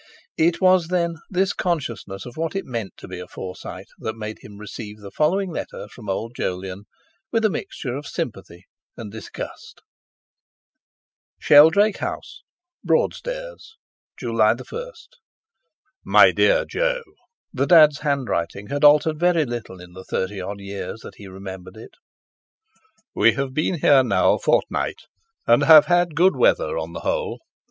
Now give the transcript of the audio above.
It was, then, this consciousness of what it meant to be a Forsyte, that made him receive the following letter from old Jolyon, with a mixture of sympathy and disgust: "SHELDRAKE HOUSE, "BROADSTAIRS, "July 1. "MY DEAR JO," (The Dad's handwriting had altered very little in the thirty odd years that he remembered it.) "We have been here now a fortnight, and have had good weather on the whole.